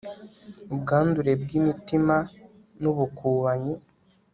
ubwandure bw'imitima n'ubukubanyi